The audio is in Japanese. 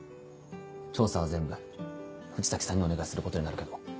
調査は全部藤崎さんにお願いすることになるけど。